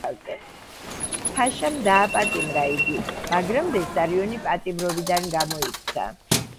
ფაშამ დააპატიმრა იგი, მაგრამ ბესარიონი პატიმრობიდან გამოიქცა.